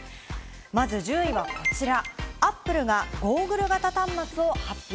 まず１０位はこちら、アップルがゴーグル型端末を発表。